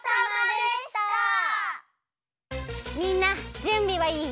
みんなじゅんびはいい？